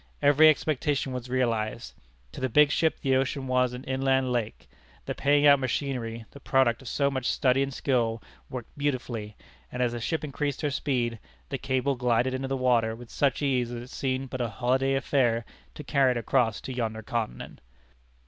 Every expectation was realized. To the big ship the ocean was as an inland lake. The paying out machinery the product of so much study and skill worked beautifully, and as the ship increased her speed, the cable glided into the water with such ease that it seemed but a holiday affair to carry it across to yonder continent.